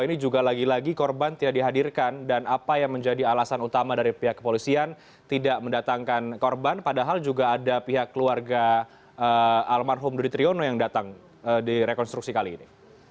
ini juga lagi lagi korban tidak dihadirkan dan apa yang menjadi alasan utama dari pihak kepolisian tidak mendatangkan korban padahal juga ada pihak keluarga almarhum duri triyono yang datang di rekonstruksi kali ini